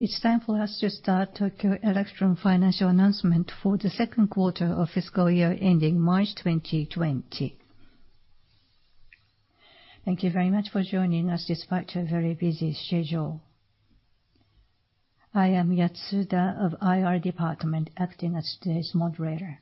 It's time for us to start Tokyo Electron financial announcement for the second quarter of fiscal year ending March 2020. Thank you very much for joining us despite your very busy schedule. I am Yatsuda of IR Department, acting as today's moderator.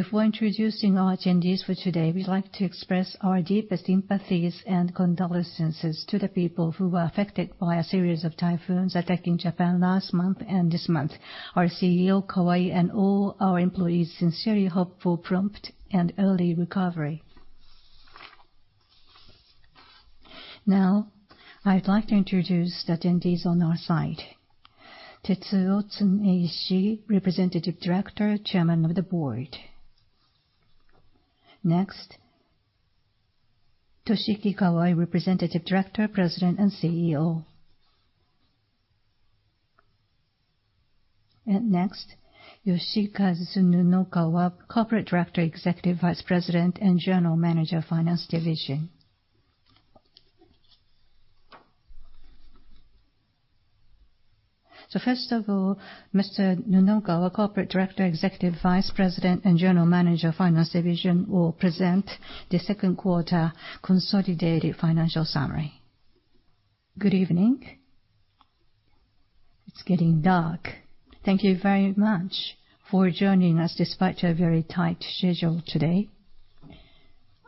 Before introducing our attendees for today, we'd like to express our deepest sympathies and condolences to the people who were affected by a series of typhoons attacking Japan last month and this month. Our CEO, Kawai, and all our employees sincerely hope for prompt and early recovery. Now, I'd like to introduce the attendees on our side. Tetsuo Tsuneishi, Representative Director, Chairman of the Board. Next, Toshiki Kawai, Representative Director, President and CEO. Next, Yoshikazu Nunokawa, Corporate Director, Executive Vice President and General Manager of Finance Division. First of all, Mr. Nunokawa, Corporate Director, Executive Vice President and General Manager of Finance Division, will present the second quarter consolidated financial summary. Good evening. It's getting dark. Thank you very much for joining us, despite your very tight schedule today.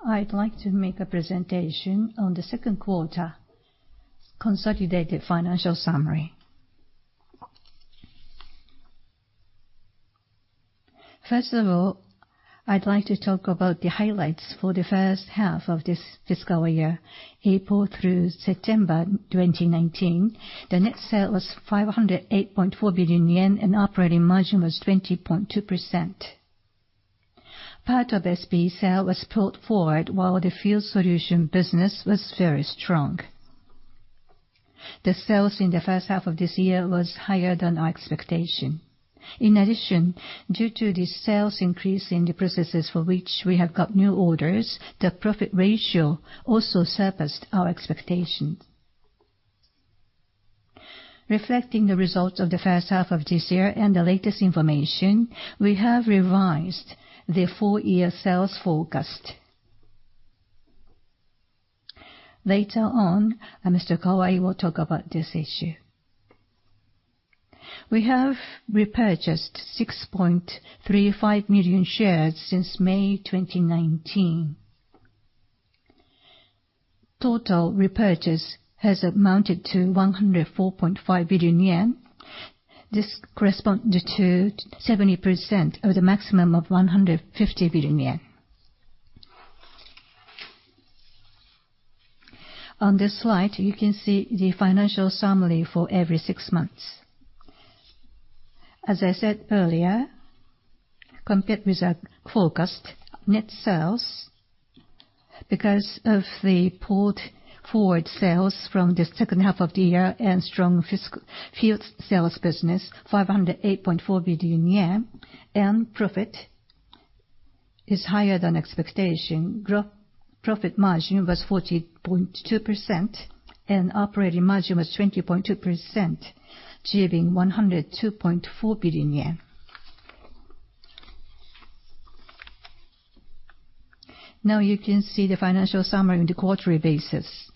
I'd like to make a presentation on the second quarter consolidated financial summary. First of all, I'd like to talk about the highlights for the first half of this fiscal year, April through September 2019. The net sale was 508.4 billion yen, and operating margin was 20.2%. Part of SPE sale was pulled forward, while the Field Solutions business was very strong. The sales in the first half of this year was higher than our expectation. In addition, due to the sales increase in the processes for which we have got new orders, the profit ratio also surpassed our expectation. Reflecting the results of the first half of this year and the latest information, we have revised the full-year sales forecast. Later on, Mr. Kawai will talk about this issue. We have repurchased 6.35 million shares since May 2019. Total repurchase has amounted to 104.5 billion yen. This corresponds to 70% of the maximum of 150 billion yen. On this slide, you can see the financial summary for every six months. As I said earlier, compared with our forecast net sales, because of the pulled-forward sales from the second half of the year and strong Field Solutions business, 508.4 billion yen, and profit is higher than expectation. Profit margin was 14.2%, and operating margin was 20.2%, achieving JPY 102.4 billion. Now you can see the financial summary on the quarterly basis.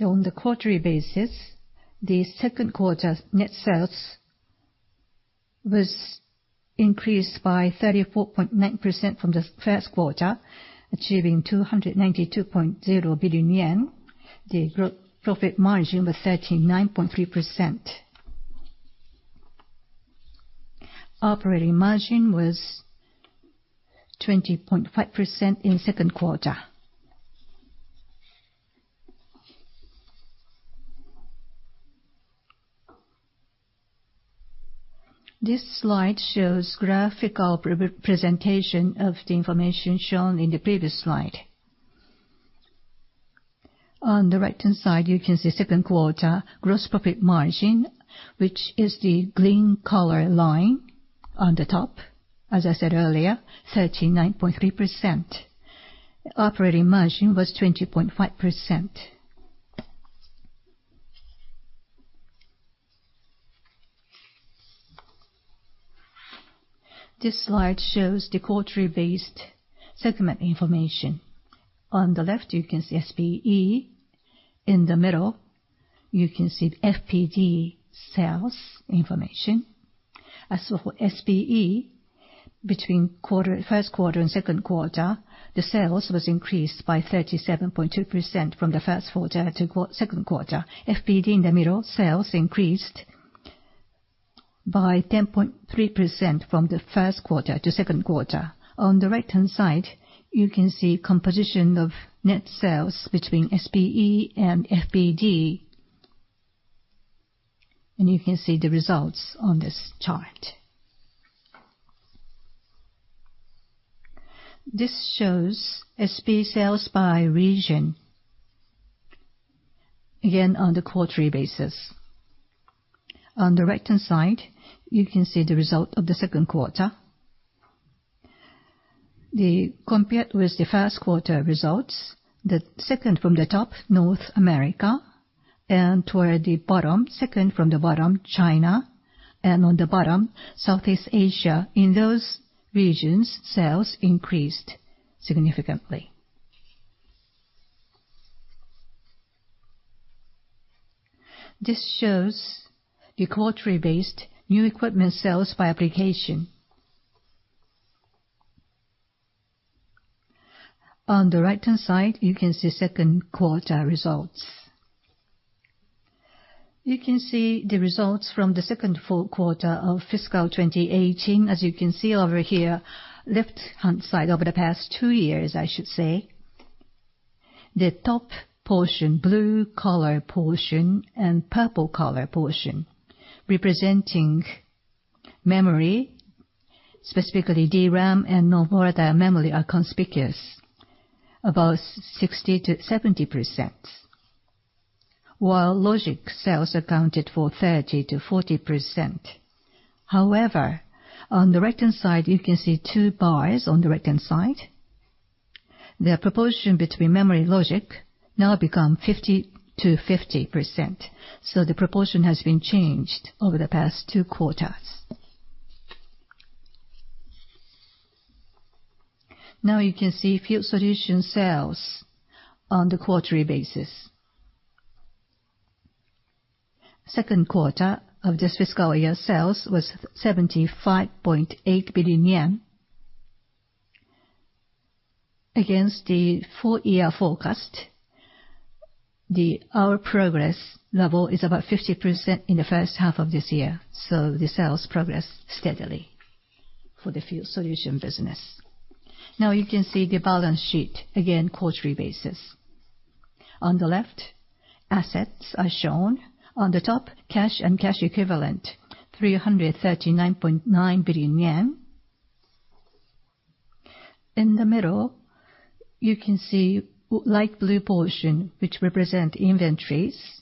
On the quarterly basis, the second quarter net sales was increased by 34.9% from the first quarter, achieving 292.0 billion yen. The profit margin was 39.3%. Operating margin was 20.5% in the second quarter. This slide shows graphical representation of the information shown on the previous slide. On the right-hand side, you can see second quarter gross profit margin, which is the green color line on the top. As I said earlier, 39.3%. Operating margin was 20.5%. This slide shows the quarterly-based segment information. On the left, you can see SPE. In the middle, you can see FPD sales information. As for SPE, between first quarter and second quarter, the sales was increased by 37.2% from the first quarter to second quarter. FPD in the middle, sales increased by 10.3% from the first quarter to second quarter. On the right-hand side, you can see composition of net sales between SPE and FPD, and you can see the results on this chart. This shows SPE sales by region. Again, on the quarterly basis. On the right-hand side, you can see the result of the second quarter. Compared with the first quarter results, the second from the top, North America, and toward the bottom, second from the bottom, China, and on the bottom, Southeast Asia. In those regions, sales increased significantly. This shows the quarterly based new equipment sales by application. On the right-hand side, you can see second quarter results. You can see the results from the second full quarter of fiscal 2018. As you can see over here, left-hand side, over the past two years, I should say, the top portion, blue color portion, and purple color portion, representing memory, specifically DRAM and non-volatile memory are conspicuous, about 60%-70%, while logic sales accounted for 30%-40%. On the right-hand side, you can see two bars on the right-hand side. The proportion between memory logic now become 50%-50%. The proportion has been changed over the past two quarters. Now you can see Field Solutions sales on the quarterly basis. Second quarter of this fiscal year sales was 75.8 billion yen. Against the full year forecast, our progress level is about 50% in the first half of this year. The sales progress steadily for the Field Solutions business. Now you can see the balance sheet, again, quarterly basis. On the left, assets are shown. On the top, cash and cash equivalent, 339.9 billion yen. In the middle, you can see light blue portion, which represent inventories.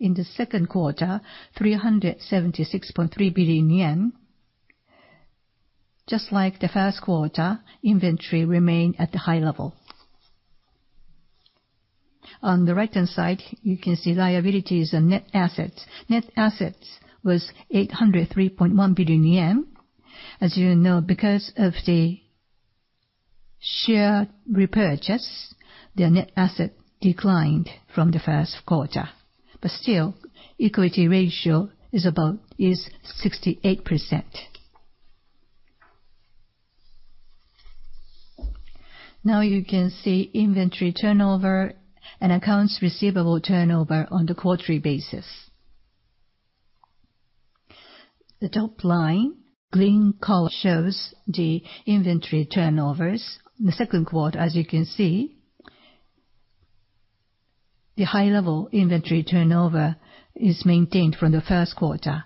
In the second quarter, 376.3 billion yen. Just like the first quarter, inventory remained at the high level. On the right-hand side, you can see liabilities and net assets. Net assets was 803.1 billion yen. As you know, because of the share repurchase, the net asset declined from the first quarter, but still, equity ratio is 68%. Now you can see inventory turnover and accounts receivable turnover on the quarterly basis. The top line, green color, shows the inventory turnovers. The second quarter, as you can see, the high level inventory turnover is maintained from the first quarter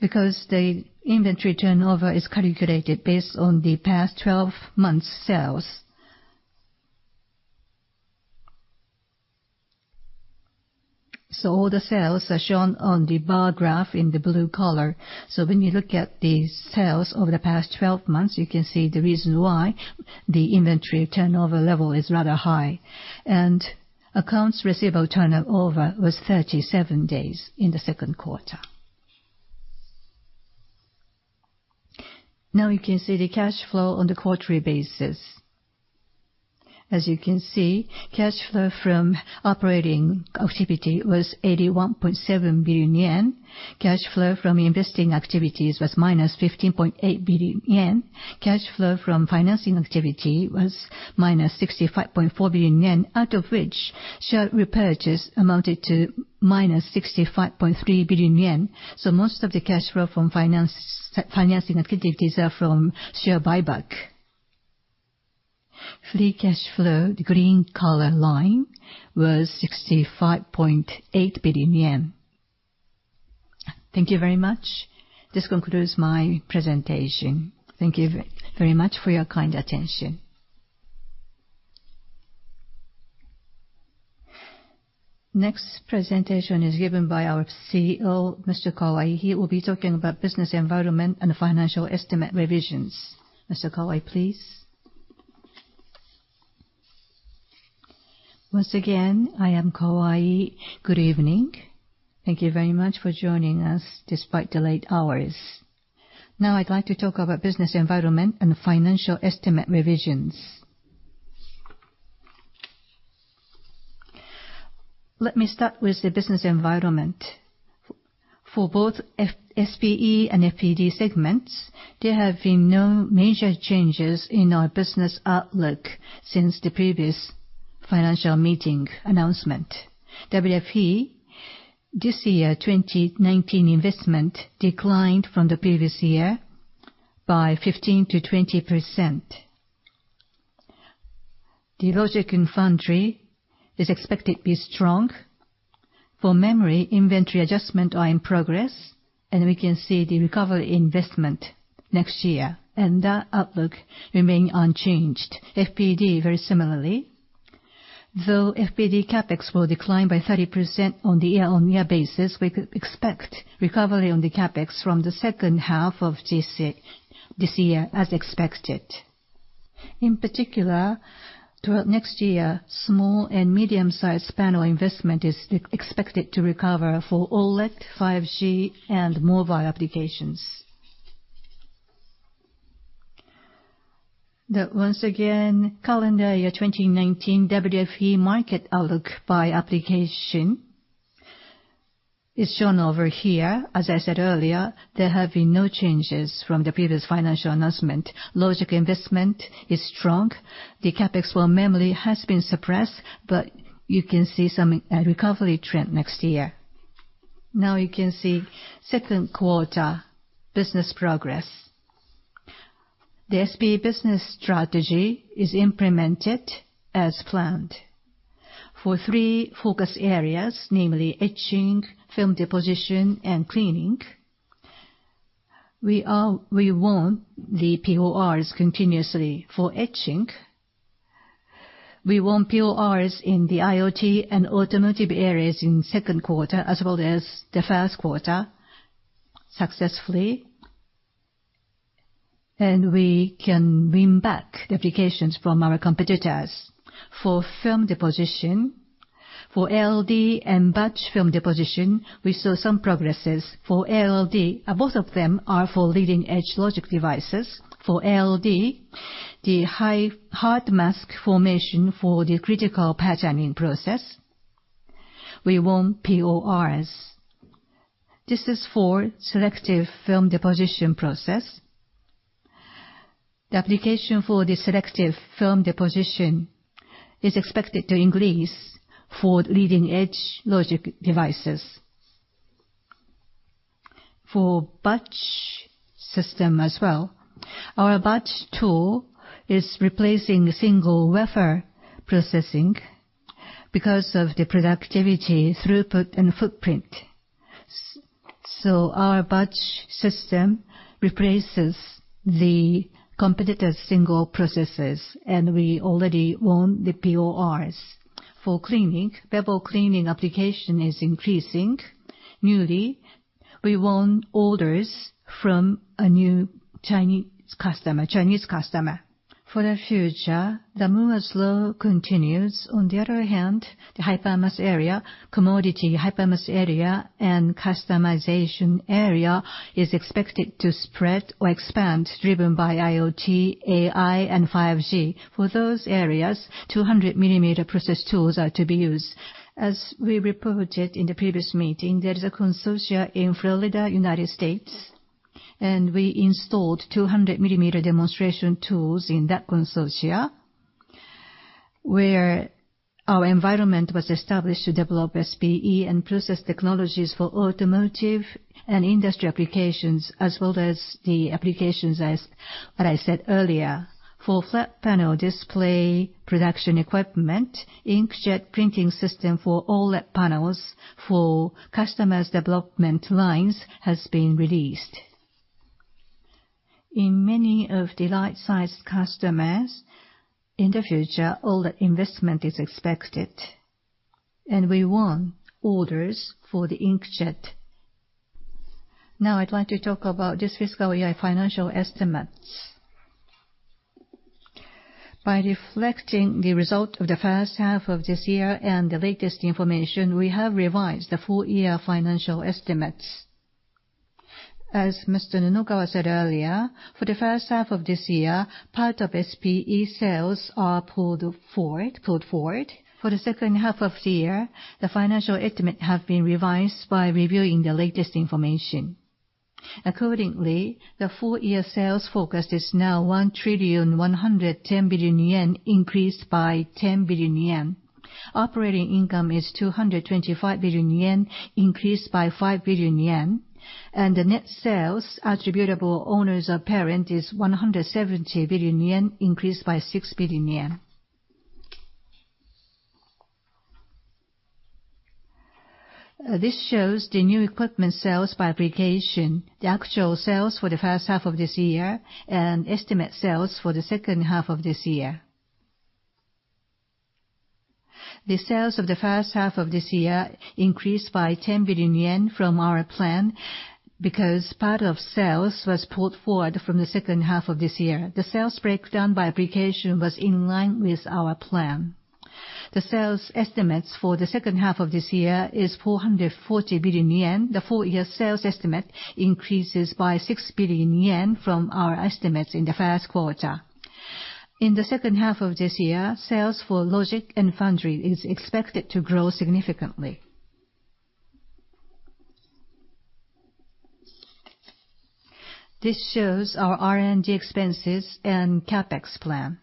because the inventory turnover is calculated based on the past 12 months' sales. All the sales are shown on the bar graph in the blue color. When you look at these sales over the past 12 months, you can see the reason why the inventory turnover level is rather high. Accounts receivable turnover was 37 days in the second quarter. Now you can see the cash flow on the quarterly basis. As you can see, cash flow from operating activity was 81.7 billion yen. Cash flow from investing activities was minus 15.8 billion yen. Cash flow from financing activity was minus 65.4 billion yen, out of which share repurchase amounted to minus 65.3 billion yen. Most of the cash flow from financing activities are from share buyback. Free cash flow, the green color line, was 65.8 billion yen. Thank you very much. This concludes my presentation. Thank you very much for your kind attention. Next presentation is given by our CEO, Mr. Kawai. He will be talking about business environment and financial estimate revisions. Mr. Kawai, please. Once again, I am Kawai. Good evening. Thank you very much for joining us despite the late hours. I'd like to talk about business environment and financial estimate revisions. Let me start with the business environment. For both SPE and FPD segments, there have been no major changes in our business outlook since the previous financial meeting announcement. WFE, this year, 2019 investment declined from the previous year by 15%-20%. The logic inventory is expected to be strong. For memory, inventory adjustment are in progress, and we can see the recovery investment next year. That outlook remain unchanged. FPD, very similarly. Though FPD CapEx will decline by 30% on the year-on-year basis, we could expect recovery on the CapEx from the second half of this year as expected. In particular, throughout next year, small and medium-sized panel investment is expected to recover for OLED, 5G, and mobile applications. The, once again, Calendar Year 2019 WFE market outlook by application is shown over here. As I said earlier, there have been no changes from the previous financial announcement. Logic investment is strong. The CapEx for memory has been suppressed, but you can see some recovery trend next year. Now you can see second quarter business progress. The SPE business strategy is implemented as planned. For three focus areas, namely etching, film deposition, and cleaning, we won the PORs continuously for etching. We won PORs in the IoT and automotive areas in second quarter as well as the first quarter successfully. We can win back the applications from our competitors. For film deposition, for ALD and batch film deposition, we saw some progresses. For ALD, both of them are for leading-edge logic devices. For ALD, the hard mask formation for the critical patterning process, we won PORs. This is for selective film deposition process. The application for the selective film deposition is expected to increase for leading-edge logic devices. For batch system as well, our batch tool is replacing single wafer processing because of the productivity throughput and footprint. Our batch system replaces the competitor's single processes, and we already won the PORs. For cleaning, bevel cleaning application is increasing. Newly, we won orders from a new Chinese customer. For the future, the Moore's Law continues. On the other hand, the hyper-MAS area, commodity hyper-MAS area and customization area is expected to spread or expand driven by IoT, AI, and 5G. For those areas, 200 millimeter process tools are to be used. As we reported in the previous meeting, there is a consortium in Florida, United States, we installed 200 millimeter demonstration tools in that consortia, where our environment was established to develop SPE and process technologies for automotive and industry applications, as well as the applications as what I said earlier. For flat panel display production equipment, inkjet printing system for OLED panels for customers' development lines has been released. In many of the light size customers, in the future, all the investment is expected. we won orders for the inkjet. Now I'd like to talk about this fiscal year financial estimates. By reflecting the result of the first half of this year and the latest information, we have revised the full-year financial estimates. As Mr. Nunokawa said earlier, for the first half of this year, part of SPE sales are pulled forward. For the second half of the year, the financial estimate have been revised by reviewing the latest information. Accordingly, the full-year sales forecast is now 1,110 billion yen, increased by 10 billion yen. Operating income is 225 billion yen, increased by 5 billion yen, and the net sales attributable to owners of parent is 170 billion yen, increased by 6 billion yen. This shows the new equipment sales by application, the actual sales for the first half of this year, and estimate sales for the second half of this year. The sales of the first half of this year increased by 10 billion yen from our plan because part of sales was pulled forward from the second half of this year. The sales breakdown by application was in line with our plan. The sales estimates for the second half of this year is 440 billion yen. The full-year sales estimate increases by 6 billion yen from our estimates in the first quarter. In the second half of this year, sales for logic and foundry is expected to grow significantly. This shows our R&D expenses and CapEx plan.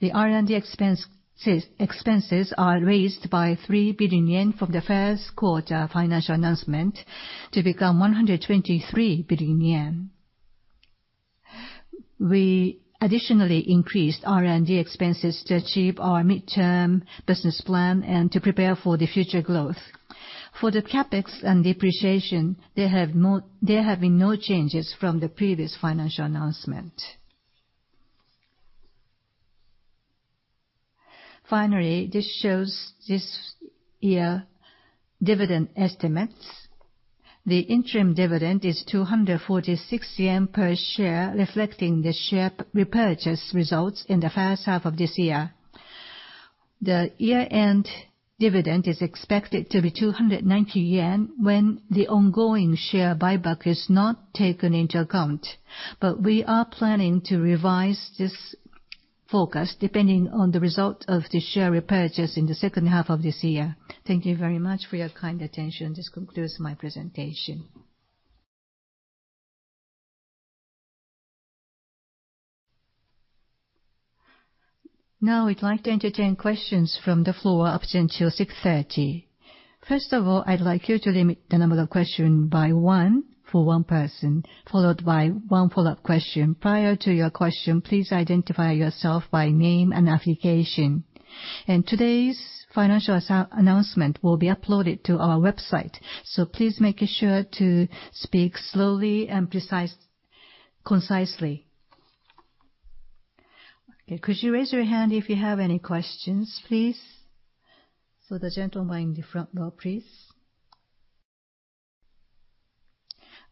The R&D expenses are raised by 3 billion yen from the first quarter financial announcement to become 123 billion yen. We additionally increased R&D expenses to achieve our midterm business plan and to prove our future growth. For the CapEx and depreciation, there have been no changes from the previous financial announcement. Finally, this shows this year's dividend estimates. The interim dividend is 246 yen per share, reflecting the share repurchase results in the first half of this year. The year-end dividend is expected to be 290 yen when the ongoing share buyback is not taken into account. We are planning to revise this forecast depending on the result of the share repurchase in the second half of this year. Thank you very much for your kind attention. This concludes my presentation. We'd like to entertain questions from the floor up until 6:30 P.M. I'd like you to limit the number of questions by one for one person, followed by one follow-up question. Prior to your question, please identify yourself by name and affiliation. Today's financial announcement will be uploaded to our website, so please make sure to speak slowly and concisely. Okay. Could you raise your hand if you have any questions, please? The gentleman in the front row, please.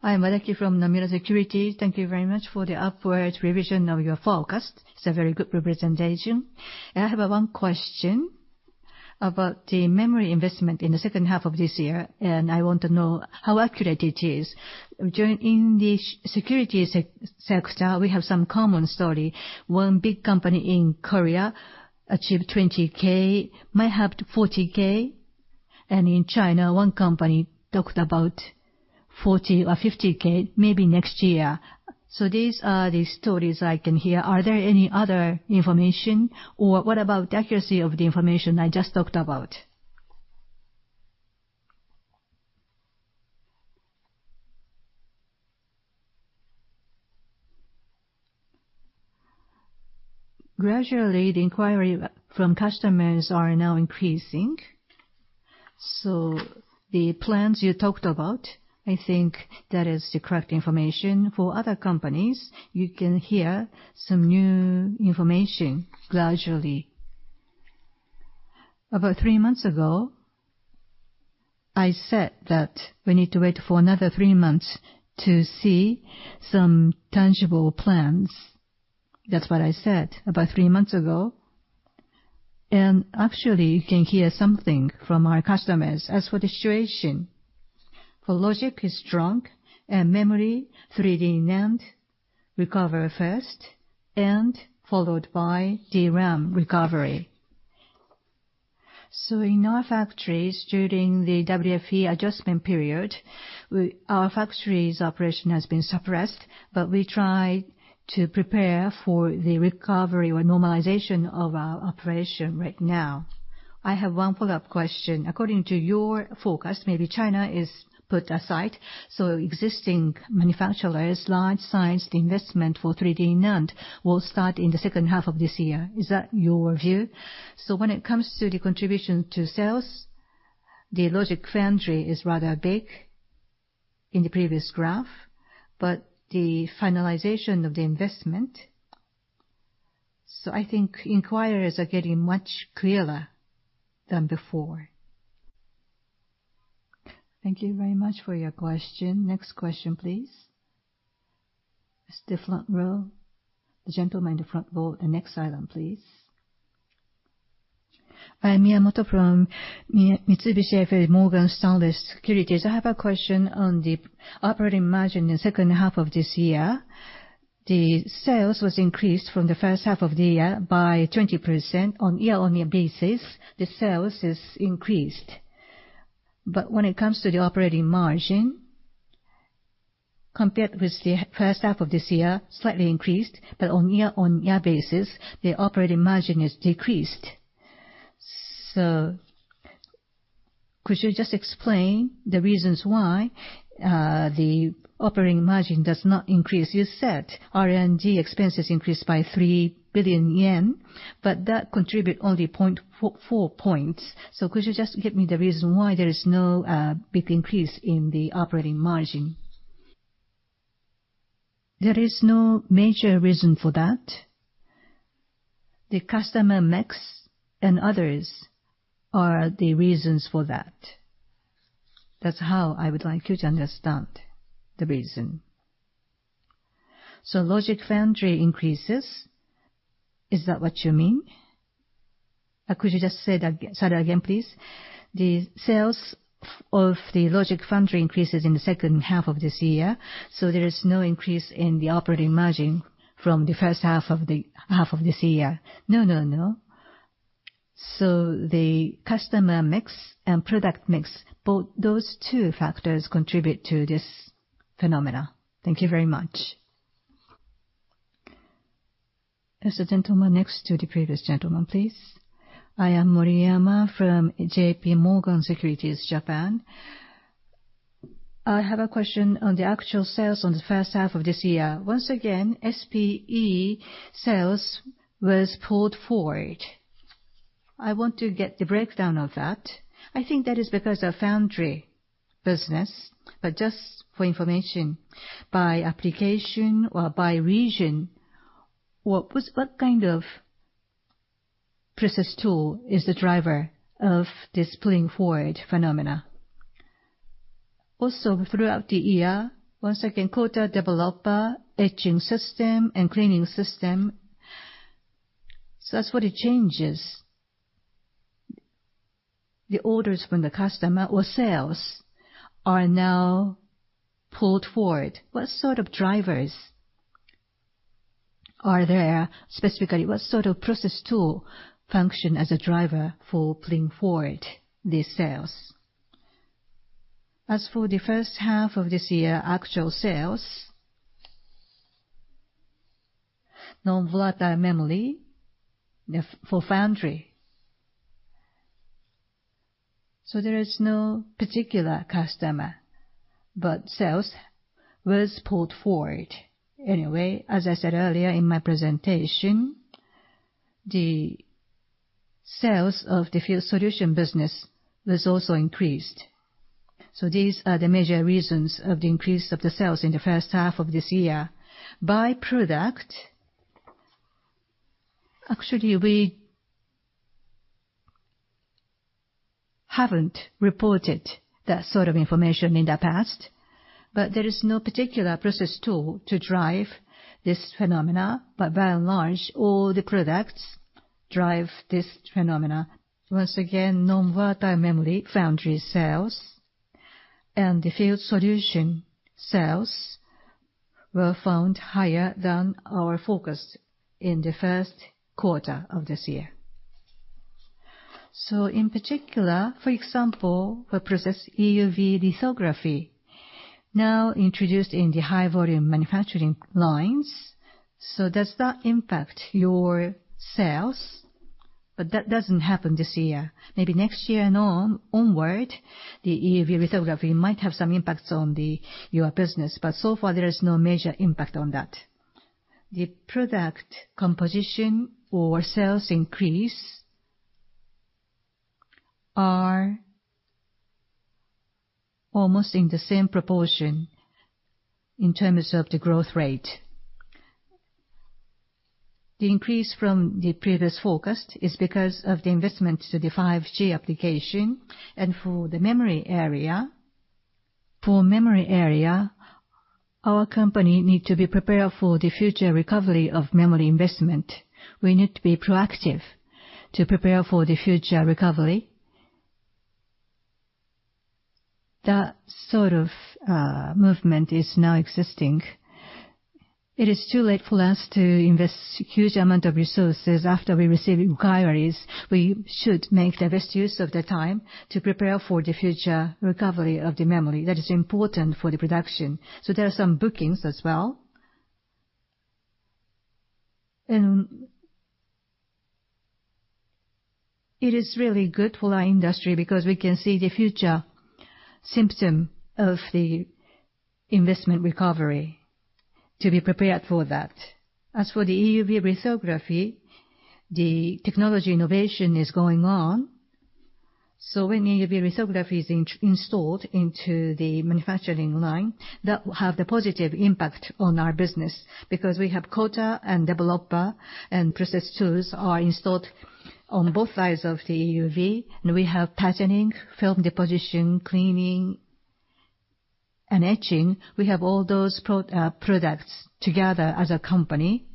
I am Araki from Nomura Securities. Thank you very much for the upward revision of your forecast. It's a very good representation. I have one question about the memory investment in the second half of this year, and I want to know how accurate it is. During the securities sector, we have some common story. One big company in Korea achieved 20K, might have 40K. In China, one company talked about 40 or 50K maybe next year. These are the stories I can hear. Is there any other information, or what about the accuracy of the information I just talked about? Gradually, the inquiries from customers are now increasing. The plans you talked about, I think that is the correct information. For other companies, you can hear some new information gradually. About three months ago, I said that we need to wait for another three months to see some tangible plans. That's what I said about three months ago. Actually, you can hear something from our customers. As for the situation, the logic is strong and memory, 3D NAND recover first, followed by DRAM recovery. In our factories, during the WFE adjustment period, our factories' operation has been suppressed, we try to prepare for the recovery or normalization of our operation right now. I have one follow-up question. According to your forecast, maybe China is put aside, existing manufacturers large size the investment for 3D NAND will start in the second half of this year. Is that your view? When it comes to the contribution to sales, the logic foundry is rather big in the previous graph, the finalization of the investment, I think inquirers are getting much clearer than before. Thank you very much for your question. Next question, please. It is the front row. The gentleman in the front row on the next aisle please. I am Miyamoto from Mitsubishi UFJ Morgan Stanley Securities. I have a question on the operating margin in the second half of this year. The sales was increased from the first half of the year by 20% on year-on-year basis. The sales is increased. But when it comes to the operating margin, compared with the first half of this year, slightly increased, but on year-on-year basis, the operating margin is decreased. Could you just explain the reasons why the operating margin does not increase? You said R&D expenses increased by 3 billion yen, but that contribute only four points. Could you just give me the reason why there is no big increase in the operating margin? There is no major reason for that. The customer mix and others are the reasons for that. That's how I would like you to understand the reason. Logic foundry increases. Is that what you mean? Or could you just say that again, please? The sales of the logic foundry increases in the second half of this year, there is no increase in the operating margin from the first half of this year. No. The customer mix and product mix, both those two factors contribute to this phenomena. Thank you very much. Yes, the gentleman next to the previous gentleman, please. I am Moriyama from JPMorgan Securities Japan. I have a question on the actual sales on the first half of this year. Once again, SPE sales was pulled forward. I want to get the breakdown of that. I think that is because of foundry business, but just for information, by application or by region, what kind of process tool is the driver of this pulling forward phenomena? Throughout the year, once again, Coater/Developer, etching system, and cleaning system. That's what it changes. The orders from the customer or sales are now pulled forward. What sort of drivers are there? Specifically, what sort of process tool function as a driver for pulling forward the sales? As for the first half of this year, actual sales, non-volatile memory for foundry. There is no particular customer, but sales was pulled forward. Anyway, as I said earlier in my presentation, the sales of the Field Solutions business has also increased. These are the major reasons of the increase of the sales in the first half of this year. By product, actually, we haven't reported that sort of information in the past, but there is no particular process tool to drive this phenomena. By and large, all the products drive this phenomena. Once again, non-volatile memory foundry sales and the Field Solutions sales were found higher than our forecast in the first quarter of this year. In particular, for example, for process EUV lithography, now introduced in the high volume manufacturing lines, so does that impact your sales? That doesn't happen this year. Maybe next year onward, the EUV lithography might have some impacts on your business, but so far, there is no major impact on that. The product composition for sales increase are almost in the same proportion in terms of the growth rate. The increase from the previous forecast is because of the investment to the 5G application and for the memory area. For memory area, our company need to be prepared for the future recovery of memory investment. We need to be proactive to prepare for the future recovery. That sort of movement is now existing. It is too late for us to invest huge amount of resources after we receive inquiries. We should make the best use of the time to prepare for the future recovery of the memory. That is important for the production. There are some bookings as well. It is really good for our industry because we can see the future symptom of the investment recovery to be prepared for that. As for the EUV lithography, the technology innovation is going on. When EUV lithography is installed into the manufacturing line, that will have the positive impact on our business because we have coater and developer and process tools are installed on both sides of the EUV, and we have patterning, film deposition, cleaning, and etching. We have all those products together as a company.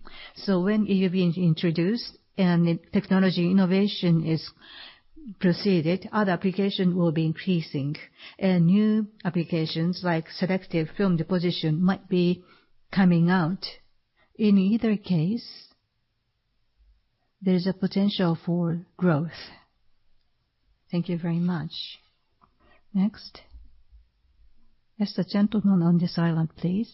When EUV is introduced and technology innovation is proceeded, other application will be increasing and new applications like selective film deposition might be coming out. In either case, there is a potential for growth. Thank you very much. Next. Yes, the gentleman on this island, please.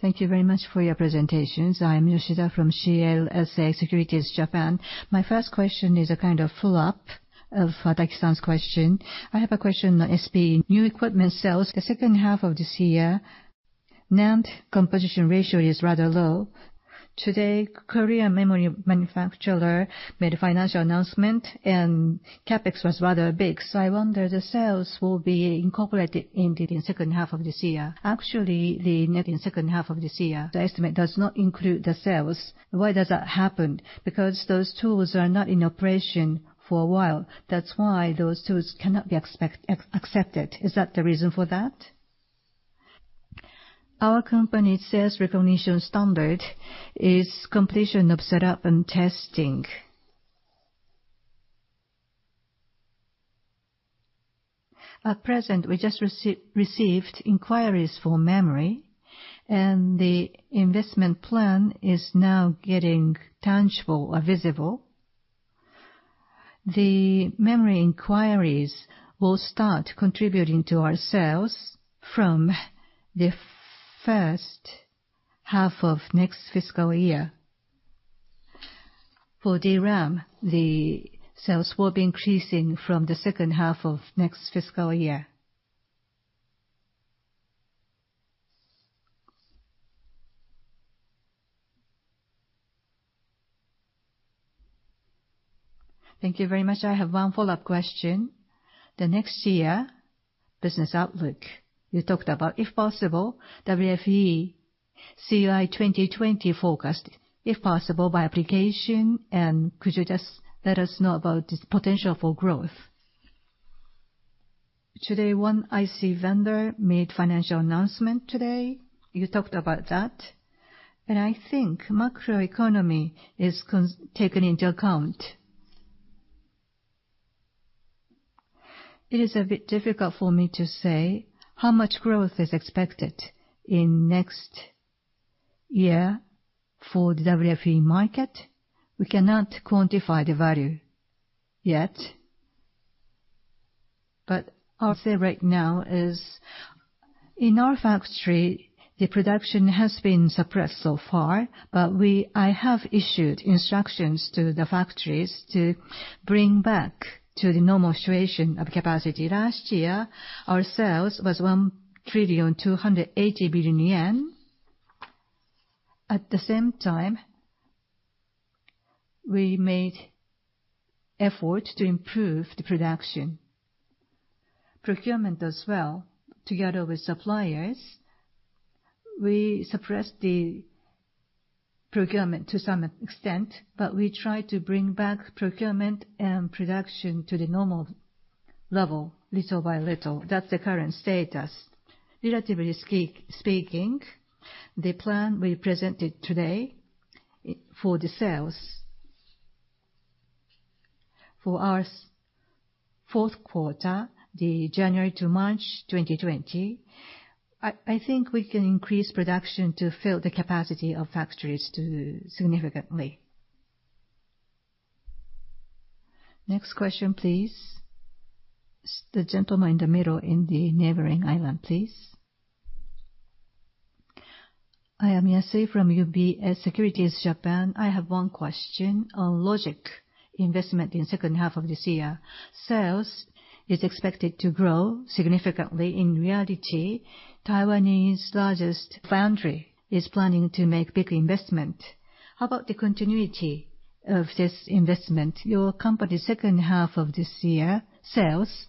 Thank you very much for your presentations. I am Yoshida from CLSA Securities Japan. My first question is a kind of follow-up of Takisan's question. I have a question on SPE new equipment sales. The second half of this year, NAND composition ratio is rather low. Today, Korean memory manufacturer made a financial announcement and CapEx was rather big. I wonder the sales will be incorporated into the second half of this year. Actually, the net in the second half of this year, the estimate does not include the sales. Why does that happen? Those tools are not in operation for a while, that's why those tools cannot be accepted. Is that the reason for that? Our company sales recognition standard is completion of setup and testing. At present, we just received inquiries for memory, and the investment plan is now getting tangible or visible. The memory inquiries will start contributing to our sales from the first half of next fiscal year. For DRAM, the sales will be increasing from the second half of next fiscal year. Thank you very much. I have one follow-up question. The next year business outlook, you talked about, if possible, WFE CY 2020 forecast, if possible, by application. Could you just let us know about the potential for growth? Today, one IC vendor made financial announcement today. You talked about that, I think macroeconomy is taken into account. It is a bit difficult for me to say how much growth is expected in next year for the WFE market. We cannot quantify the value yet. I'll say right now is in our factory, the production has been suppressed so far, but I have issued instructions to the factories to bring back to the normal situation of capacity. Last year, our sales was 1 trillion yen, 280 billion. At the same time, we made efforts to improve the production. Procurement as well, together with suppliers, we suppressed the procurement to some extent, but we try to bring back procurement and production to the normal level little by little. That's the current status. Relatively speaking, the plan we presented today for the sales for our fourth quarter, the January to March 2020, I think we can increase production to fill the capacity of factories significantly. Next question, please. The gentleman in the middle in the neighboring island, please. I am Yasui from UBS Securities Japan. I have one question. On logic investment in second half of this year, sales is expected to grow significantly. In reality, Taiwanese largest foundry is planning to make big investment. How about the continuity of this investment? Your company second half of this year sales,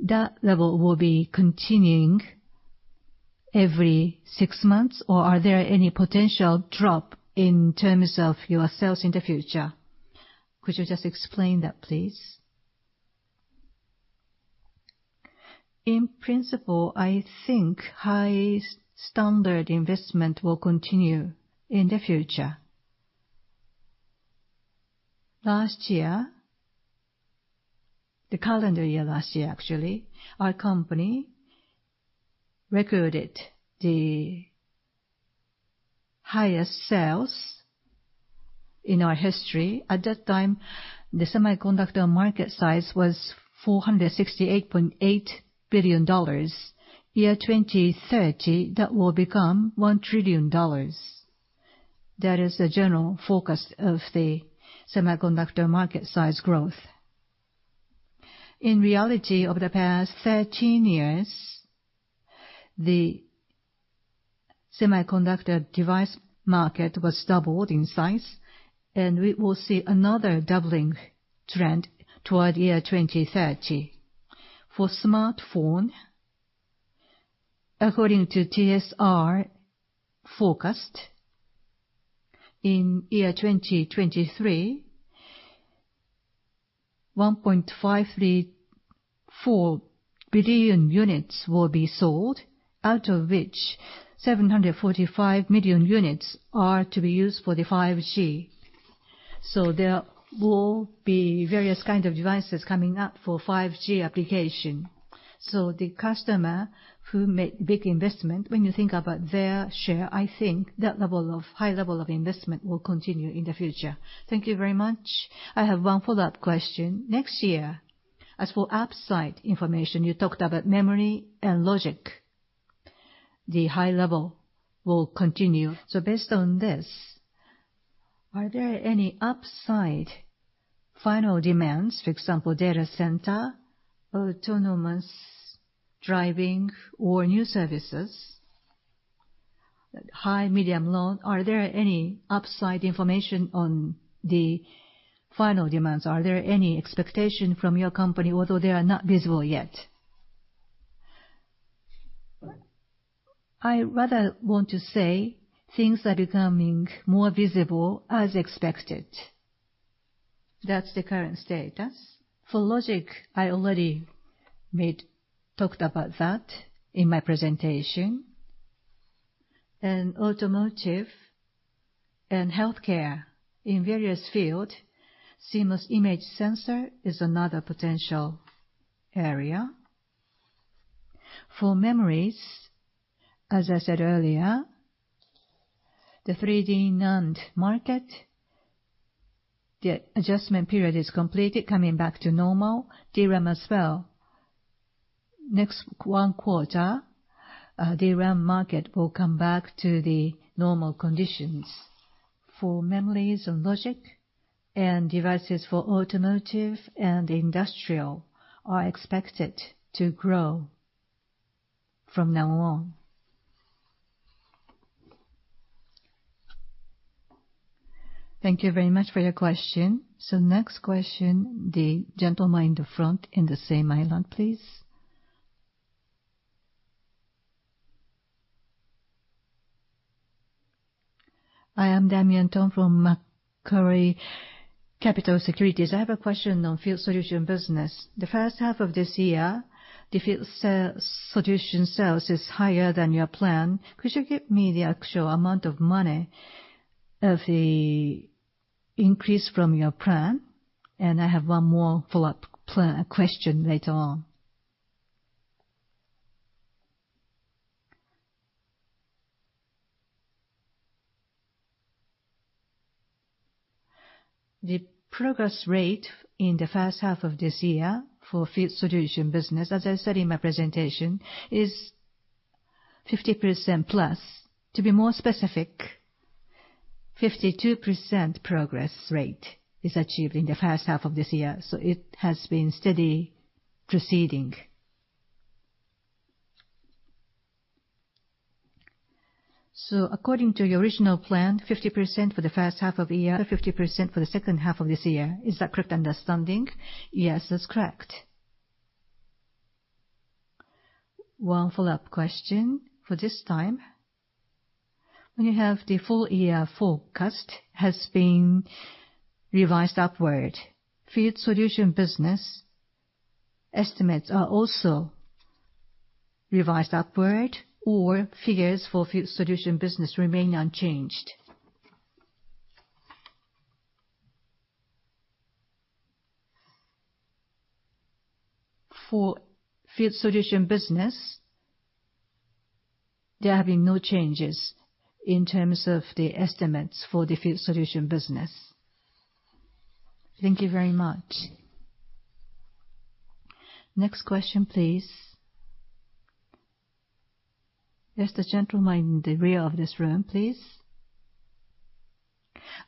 that level will be continuing every six months, or are there any potential drop in terms of your sales in the future? Could you just explain that, please? In principle, I think high standard investment will continue in the future. Last year, the calendar year last year, actually, our company recorded the highest sales in our history. At that time, the semiconductor market size was JPY 468.8 billion. Year 2030, that will become JPY 1 trillion. That is the general forecast of the semiconductor market size growth. In reality, over the past 13 years, the semiconductor device market was doubled in size. We will see another doubling trend toward year 2030. For smartphone, according to TSR forecast, in year 2023, 1.534 billion units will be sold, out of which 745 million units are to be used for the 5G. There will be various kind of devices coming up for 5G application. The customer who make big investment, when you think about their share, I think that high level of investment will continue in the future. Thank you very much. I have one follow-up question. Next year, as for upside information, you talked about memory and logic. The high level will continue. Based on this, are there any upside final demands, for example, data center, autonomous driving, or new services? High, medium, low, are there any upside information on the final demands? Are there any expectations from your company although they are not visible yet? I rather want to say things are becoming more visible as expected. That's the current status. For logic, I already talked about that in my presentation. In automotive and healthcare, in various fields, CMOS image sensor is another potential area. For memories, as I said earlier, the 3D NAND market, the adjustment period is completed, coming back to normal, DRAM as well. One quarter, the RAM market will come back to the normal conditions for memories and logic, and devices for automotive and industrial are expected to grow from now on. Thank you very much for your question. Next question, the gentleman in the front in the same aisle please. I am Damian Thong from Macquarie Capital Securities. I have a question on Field Solutions business. The first half of this year, the Field Solutions sales is higher than your plan. Could you give me the actual amount of money of the increase from your plan? I have one more follow-up question later on. The progress rate in the first half of this year for Field Solutions business, as I said in my presentation, is 50%+. To be more specific, 52% progress rate is achieved in the first half of this year. It has been steady proceeding. According to your original plan, 50% for the first half of the year, 50% for the second half of this year. Is that correct understanding? Yes, that's correct. One follow-up question for this time. When you have the full year forecast has been revised upward, Field Solutions business estimates are also revised upward or figures for Field Solutions business remain unchanged? For Field Solutions business, there have been no changes in terms of the estimates for the Field Solutions business. Thank you very much. Next question, please. Yes, the gentleman in the rear of this room, please.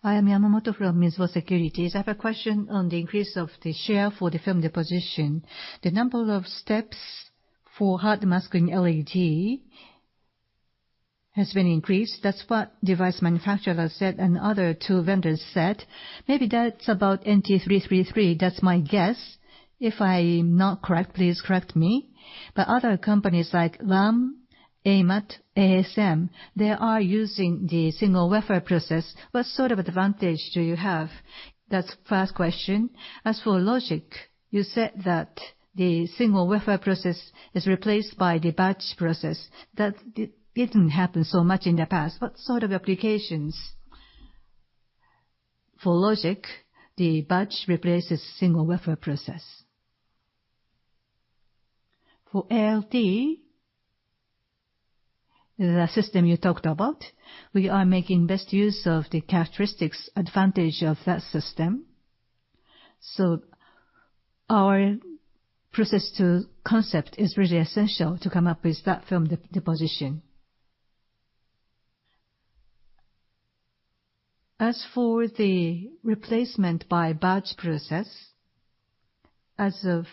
I am Yamamoto from Mizuho Securities. I have a question on the increase of the share for the film deposition. The number of steps for hard masking ALD has been increased. That's what device manufacturers said and other tool vendors said. Maybe that's about NT333. That's my guess. If I'm not correct, please correct me. Other companies like Lam, AMAT, ASM, they are using the single wafer process. What sort of advantage do you have? That's first question. As for logic, you said that the single wafer process is replaced by the batch process. That didn't happen so much in the past. What sort of applications for logic, the batch replaces single wafer process? For ALD, the system you talked about, we are making best use of the characteristics advantage of that system. Our process to concept is really essential to come up with that film deposition. As for the replacement by batch process, as of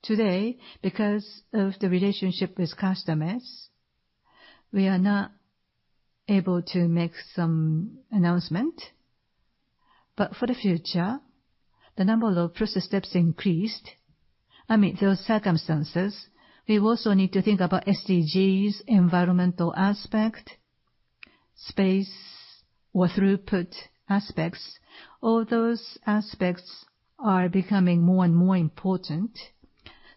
today, because of the relationship with customers, we are not able to make some announcement. For the future, the number of process steps increased. Amid those circumstances, we also need to think about SDGs, environmental aspect, space or throughput aspects. All those aspects are becoming more and more important.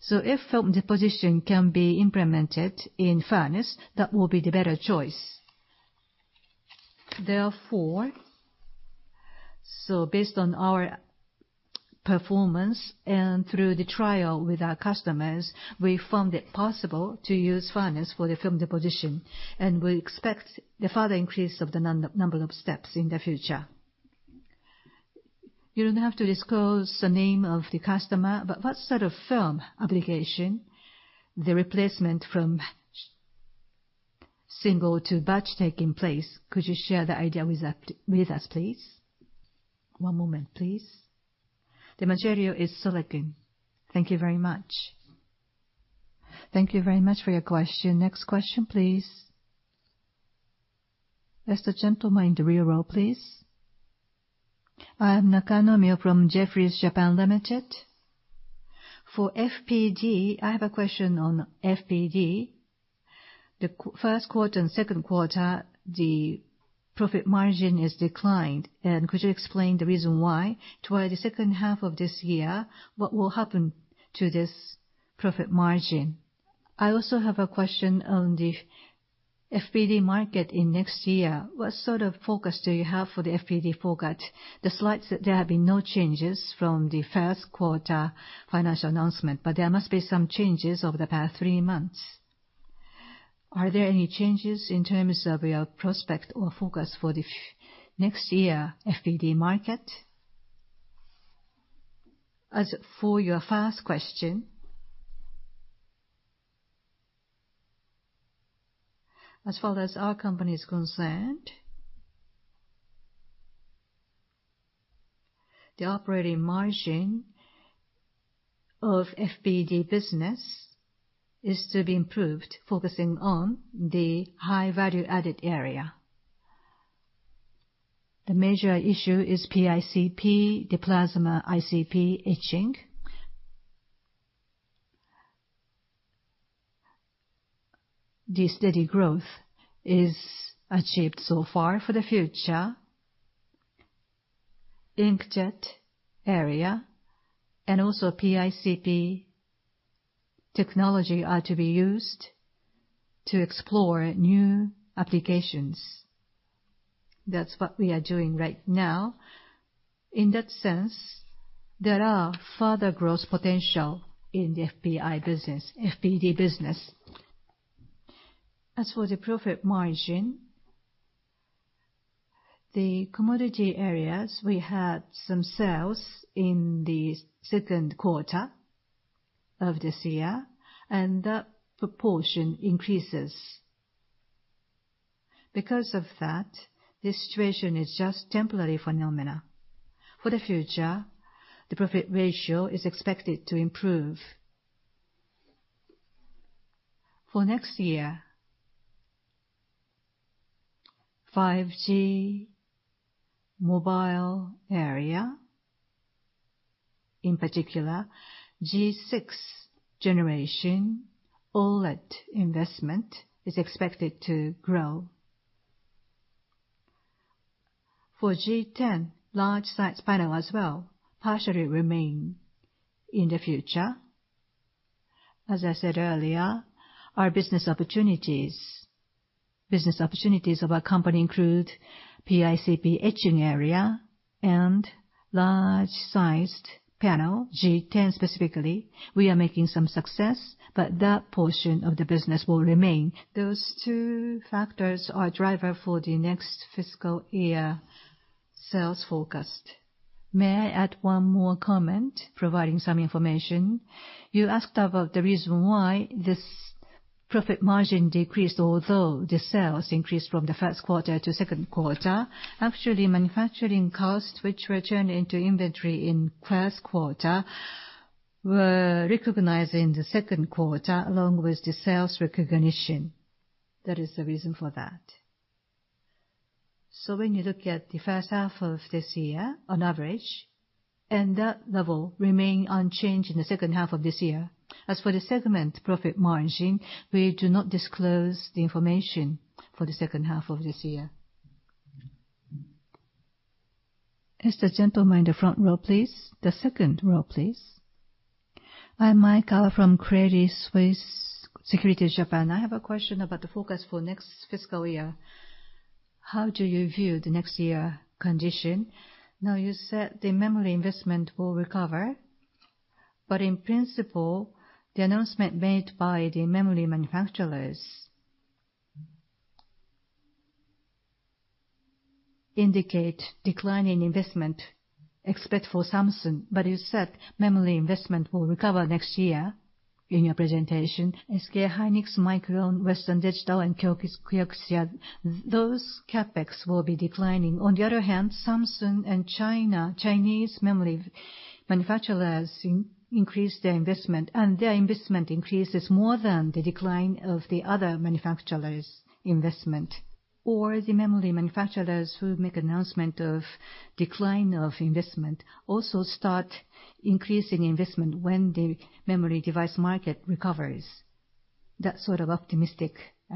If film deposition can be implemented in furnace, that will be the better choice. Therefore, based on our performance and through the trial with our customers, we found it possible to use furnace for the film deposition, and we expect the further increase of the number of steps in the future. You don't have to disclose the name of the customer, what sort of film application, the replacement from single to batch take in place? Could you share the idea with us, please? One moment, please. The material is silicon. Thank you very much. Thank you very much for your question. Next question, please. Yes, the gentleman in the rear row, please. I am Nakanomyo from Jefferies (Japan) Limited. For FPD, I have a question on FPD. The first quarter and second quarter, the profit margin is declined. Could you explain the reason why? Towards the second half of this year, what will happen to this profit margin? I also have a question on the FPD market in next year. What sort of focus do you have for the FPD forecast? The slides that there have been no changes from the first quarter financial announcement, there must be some changes over the past three months. Are there any changes in terms of your prospect or focus for the next year FPD market? As for your first question, as far as our company is concerned, the operating margin of FPD business is to be improved, focusing on the high value-added area. The major issue is PICP, the plasma ICP etching. The steady growth is achieved so far for the future. Also Inkjet area and PICP technology are to be used to explore new applications. That's what we are doing right now. In that sense, there are further growth potential in the FPD business. As for the profit margin, the commodity areas, we had some sales in the second quarter of this year, and that proportion increases. Because of that, this situation is just temporary phenomena. For the future, the profit ratio is expected to improve. For next year, 5G mobile area, in particular, G6 generation OLED investment is expected to grow. For G10, large-sized panel as well, partially remain in the future. As I said earlier, our business opportunities of our company include plasma ICP etching area and large-sized panel, G10 specifically. We are making some success, but that portion of the business will remain. Those two factors are driver for the next fiscal year sales forecast. May I add one more comment, providing some information? You asked about the reason why this profit margin decreased, although the sales increased from the first quarter to second quarter. Actually, manufacturing costs, which were turned into inventory in first quarter, were recognized in the second quarter, along with the sales recognition. That is the reason for that. When you look at the first half of this year, on average, and that level remain unchanged in the second half of this year. As for the segment profit margin, we do not disclose the information for the second half of this year. It's the gentleman in the front row, please. The second row, please. I'm Maekawa from Credit Suisse Securities Japan. I have a question about the forecast for next fiscal year. How do you view the next year condition? You said the memory investment will recover, but in principle, the announcement made by the memory manufacturers indicate declining investment, except for Samsung. You said memory investment will recover next year in your presentation. SK hynix, Micron, Western Digital, and Kioxia, those CapEx will be declining. On the other hand, Samsung and Chinese memory manufacturers increased their investment, and their investment increases more than the decline of the other manufacturers' investment. The memory manufacturers who make announcement of decline of investment also start increasing investment when the memory device market recovers. That sort of optimistic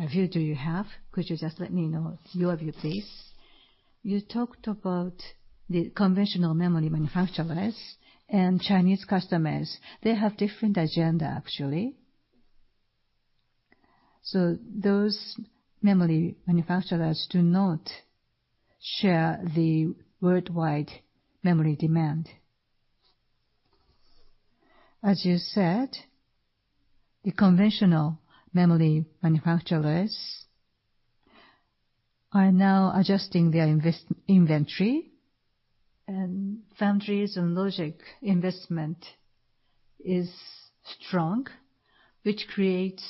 view do you have? Could you just let me know your view, please? You talked about the conventional memory manufacturers and Chinese customers. They have different agenda, actually. Those memory manufacturers do not share the worldwide memory demand. As you said, the conventional memory manufacturers are now adjusting their inventory, and foundries and logic investment is strong, which creates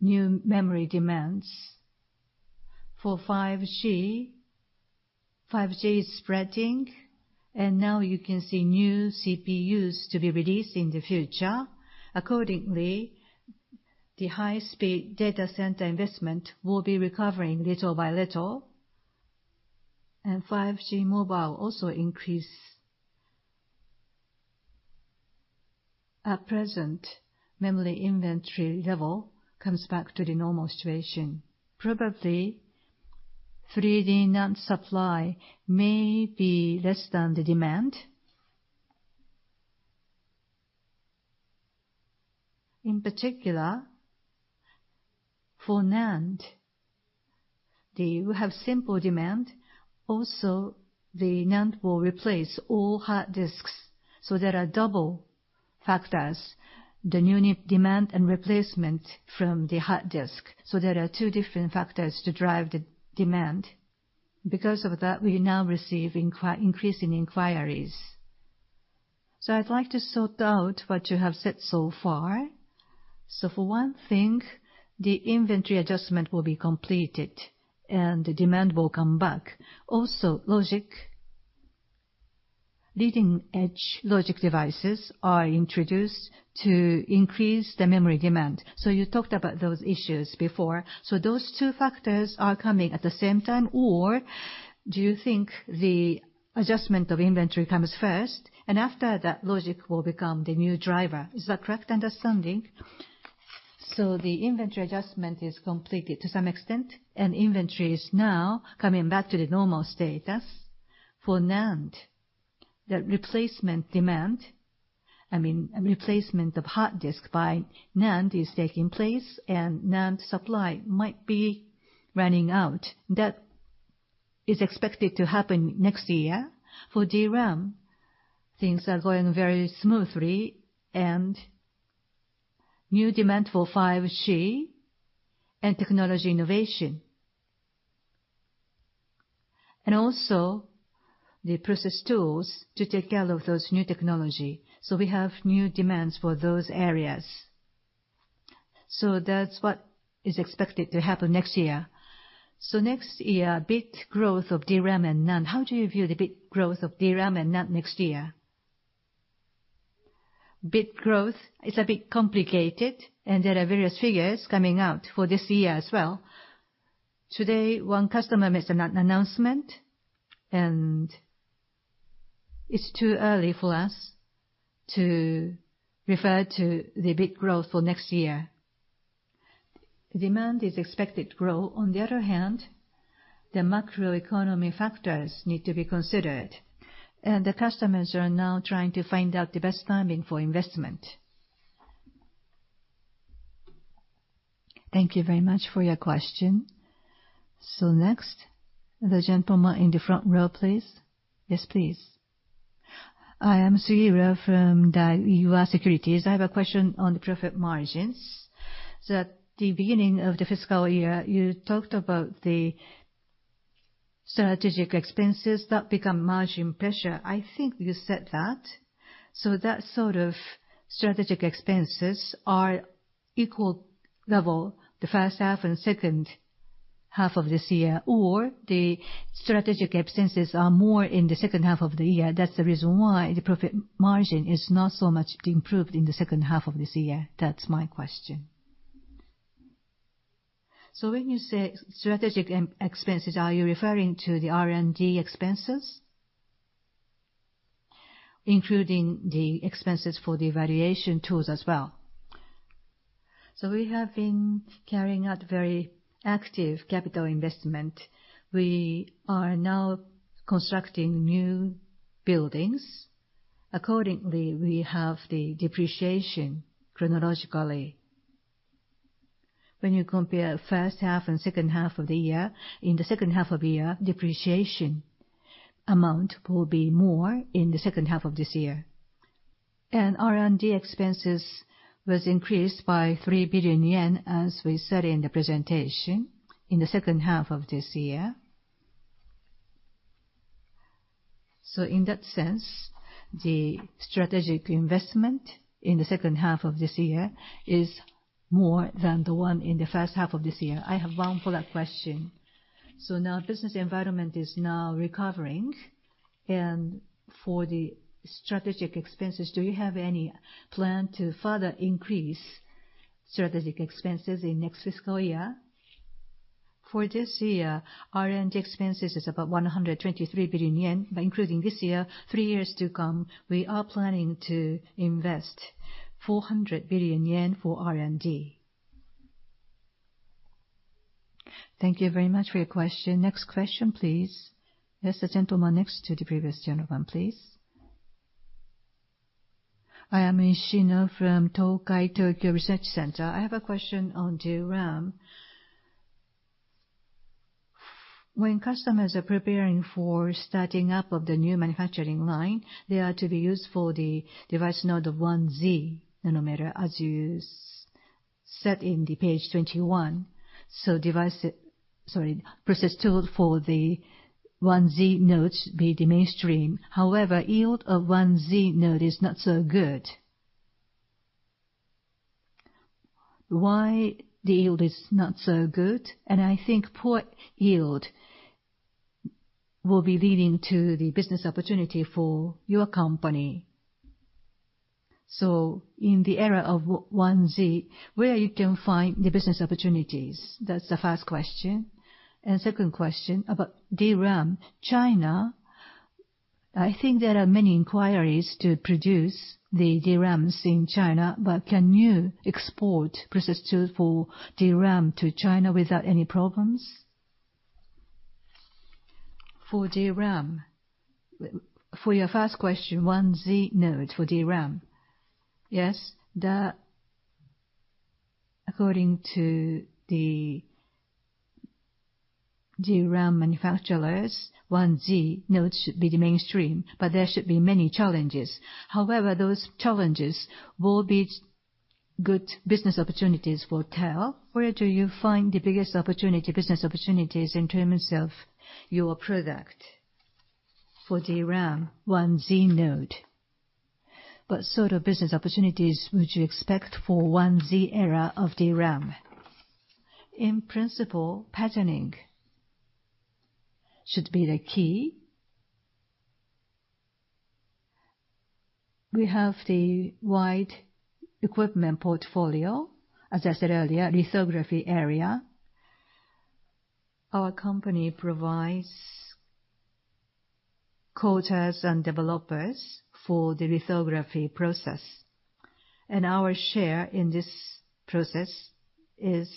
new memory demands. For 5G is spreading, and now you can see new CPUs to be released in the future. Accordingly, the high-speed data center investment will be recovering little by little, and 5G mobile also increase. At present, memory inventory level comes back to the normal situation. Probably 3D NAND supply may be less than the demand. In particular, for NAND, they will have simple demand. The NAND will replace all hard disk. There are double factors, the new demand and replacement from the hard disk. There are two different factors to drive the demand. Because of that, we now receive increasing inquiries. I'd like to sort out what you have said so far. For one thing, the inventory adjustment will be completed, and the demand will come back. Leading-edge logic devices are introduced to increase the memory demand. You talked about those issues before. Those two factors are coming at the same time, or do you think the adjustment of inventory comes first, and after that, logic will become the new driver? Is that correct understanding? The inventory adjustment is completed to some extent, and inventory is now coming back to the normal status. For NAND, that replacement demand, I mean, replacement of hard disk by NAND is taking place, and NAND supply might be running out. That is expected to happen next year. For DRAM, things are going very smoothly and new demand for 5G and technology innovation, and also the process tools to take care of those new technology. We have new demands for those areas. That's what is expected to happen next year. Next year, bit growth of DRAM and NAND. How do you view the bit growth of DRAM and NAND next year? Bit growth is a bit complicated, and there are various figures coming out for this year as well. Today, one customer made an announcement, and it's too early for us to refer to the bit growth for next year. Demand is expected to grow. On the other hand, the macro economy factors need to be considered, and the customers are now trying to find out the best timing for investment. Thank you very much for your question. Next, the gentleman in the front row, please. Yes, please. I am Sugiura from Daiwa Securities. I have a question on the profit margins. At the beginning of the fiscal year, you talked about the strategic expenses that become margin pressure. I think you said that. That sort of strategic expenses are equal level, the first half and second half of this year, or the strategic expenses are more in the second half of the year. That's the reason why the profit margin is not so much improved in the second half of this year. That's my question. When you say strategic expenses, are you referring to the R&D expenses? Including the expenses for the evaluation tools as well. We have been carrying out very active capital investment. We are now constructing new buildings. Accordingly, we have the depreciation chronologically. When you compare first half and second half of the year, in the second half of the year, depreciation amount will be more in the second half of this year. R&D expenses was increased by 3 billion yen, as we said in the presentation, in the second half of this year. In that sense, the strategic investment in the second half of this year is more than the one in the first half of this year. I have one follow-up question. Now business environment is now recovering, and for the strategic expenses, do you have any plan to further increase strategic expenses in next fiscal year? For this year, R&D expenses is about 123 billion yen. By including this year, three years to come, we are planning to invest 400 billion yen for R&D. Thank you very much for your question. Next question, please. Yes, the gentleman next to the previous gentleman, please. I am Nishino from Tokai Tokyo Research Center. I have a question on DRAM. When customers are preparing for starting up of the new manufacturing line, they are to be used for the device node of 1Z nanometer, as you said in the page 21. Process tool for the 1Z nodes will be the mainstream. However, yield of 1Z node is not so good. Why the yield is not so good? I think poor yield will be leading to the business opportunity for your company. In the era of 1Z, where you can find the business opportunities? That's the first question. Second question about DRAM. China, I think there are many inquiries to produce the DRAMs in China, but can you export process tool for DRAM to China without any problems? For DRAM. For your first question, 1Z node for DRAM. Yes. According to the DRAM manufacturers, 1Z node should be the mainstream, but there should be many challenges. However, those challenges will be good business opportunities for TEL. Where do you find the biggest business opportunities in terms of your product for DRAM 1Z node? What sort of business opportunities would you expect for 1Z era of DRAM? In principle, patterning should be the key. We have the wide equipment portfolio. As I said earlier, lithography area, our company provides coaters and developers for the lithography process. Our share in this process is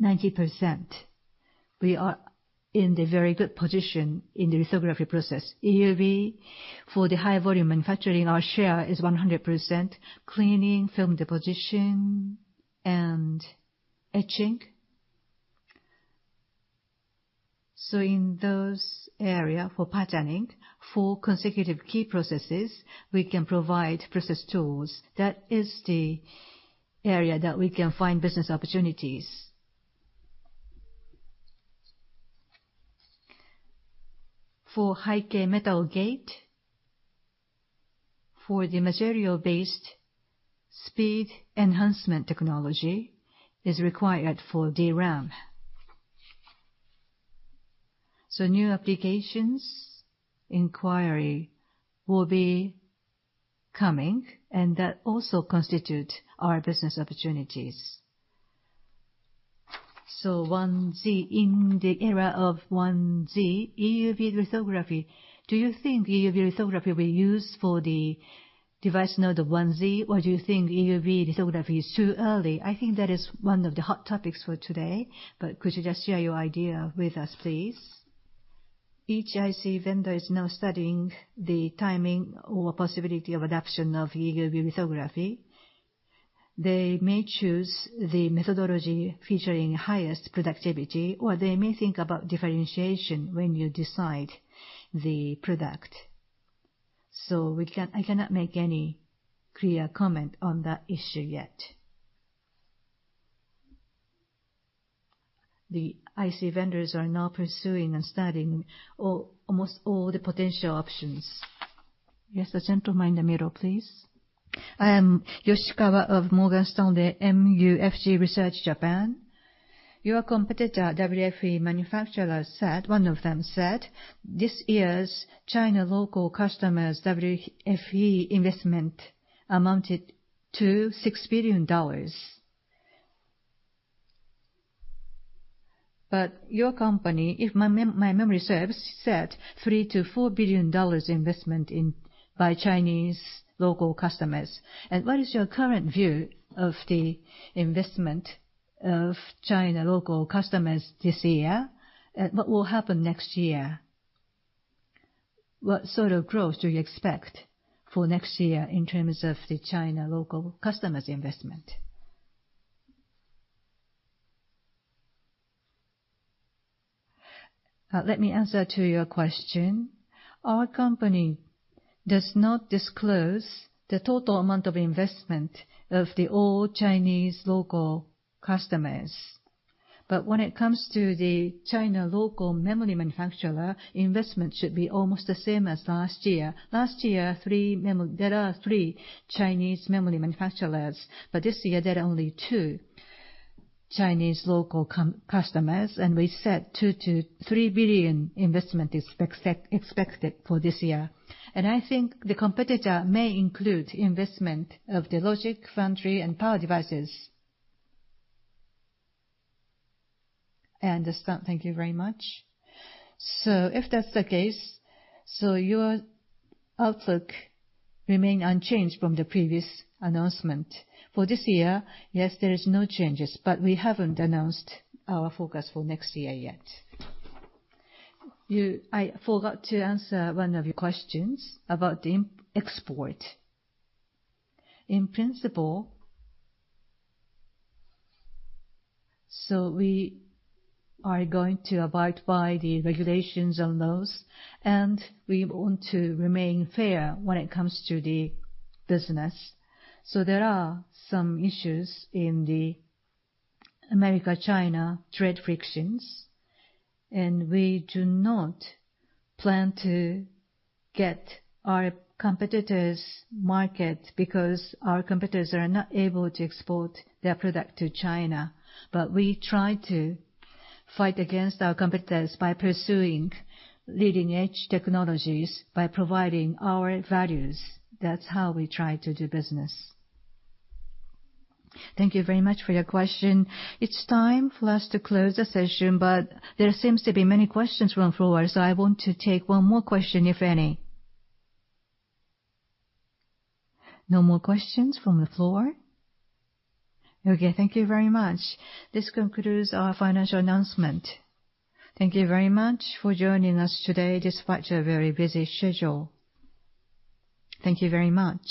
90%. We are in the very good position in the lithography process. EUV for the high-volume manufacturing, our share is 100%. Cleaning, film deposition, and etching. In those area for patterning, four consecutive key processes, we can provide process tools. That is the area that we can find business opportunities. For high-K metal gate, for the material-based speed enhancement technology is required for DRAM. New applications inquiry will be coming, and that also constitute our business opportunities. 1Z, in the era of 1Z, EUV lithography, do you think EUV lithography will be used for the device node of 1Z, or do you think EUV lithography is too early? I think that is one of the hot topics for today, could you just share your idea with us, please? Each IC vendor is now studying the timing or possibility of adoption of EUV lithography. They may choose the methodology featuring highest productivity, or they may think about differentiation when you decide the product. I cannot make any clear comment on that issue yet. The IC vendors are now pursuing and studying almost all the potential options. Yes, the gentleman in the middle, please. I am Yoshikawa of Morgan Stanley MUFG Securities Co., Ltd. Your competitor, WFE manufacturer, one of them said, this year's China local customer's WFE investment amounted to JPY 6 billion. Your company, if my memory serves, you said $3 billion-$4 billion investment by Chinese local customers. What is your current view of the investment of China local customers this year? What will happen next year? What sort of growth do you expect for next year in terms of the China local customers' investment? Let me answer to your question. Our company does not disclose the total amount of investment of all Chinese local customers. When it comes to the China local memory manufacturer, investment should be almost the same as last year. Last year, there are three Chinese memory manufacturers, this year there are only two Chinese local customers, we said $2 billion-$3 billion investment is expected for this year. I think the competitor may include investment of the logic, foundry, and power devices. I understand. Thank you very much. If that's the case, your outlook remain unchanged from the previous announcement. For this year, yes, there is no changes, we haven't announced our forecast for next year yet. I forgot to answer one of your questions about the export. In principle, we are going to abide by the regulations and laws, we want to remain fair when it comes to the business. There are some issues in the U.S., China trade frictions, we do not plan to get our competitors' market because our competitors are not able to export their product to China. We try to fight against our competitors by pursuing leading-edge technologies, by providing our values. That's how we try to do business. Thank you very much for your question. It's time for us to close the session, but there seems to be many questions from floor, so I want to take one more question, if any. No more questions from the floor? Okay, thank you very much. This concludes our financial announcement. Thank you very much for joining us today despite your very busy schedule. Thank you very much.